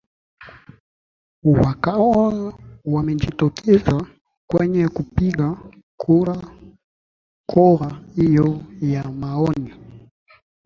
wakawa wamejitokeza kwenye kupiga kura hiyo ya maoni